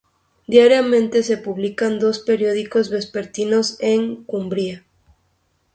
Diariamente se publican dos periódicos vespertinos en Cumbria.